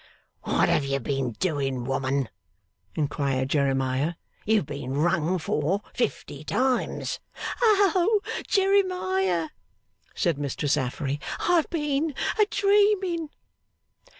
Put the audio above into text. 'What have you been doing, woman?' inquired Jeremiah. 'You've been rung for fifty times.' 'Oh Jeremiah,' said Mistress Affery, 'I have been a dreaming!